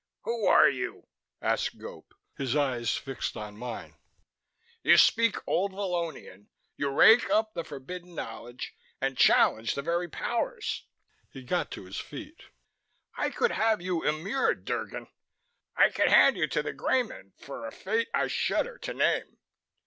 "Who are you?" asked Gope, his eyes fixed on mine. "You speak Old Vallonian, you rake up the forbidden knowledge, and challenge the very Powers...." He got to his feet. "I could have you immured, Drgon. I could hand you to the Greymen, for a fate I shudder to name."